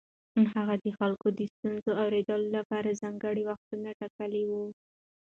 هغه د خلکو د ستونزو اورېدو لپاره ځانګړي وختونه ټاکلي وو.